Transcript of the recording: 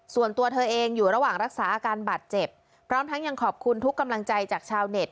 ส่วนตัวเธอเองอยู่ระหว่างรักษาอาการบาดเจ็บพร้อมทั้งยังขอบคุณทุกกำลังใจจากชาวเน็ต